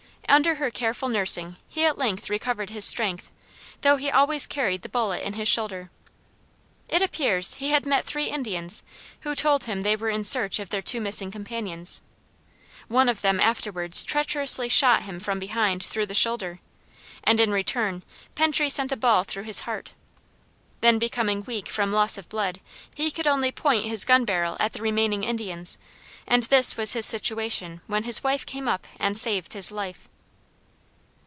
Under her careful nursing he at length recovered his strength though he always carried the bullet in his shoulder. It appears he had met three Indians who told him they were in search of their two missing companions. One of them afterwards treacherously shot him from behind through the shoulder, and in return Pentry sent a ball through his heart. Then becoming weak from loss of blood he could only point his gun barrel at the remaining Indians, and this was his situation when his wife came up and saved his life.